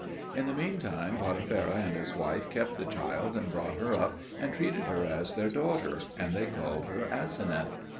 In the meantime Potipherah and his wife kept the child and brought her up, and treated her as their daughter; and they called her Aseneth.